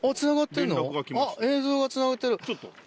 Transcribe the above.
あっ映像がつながってる。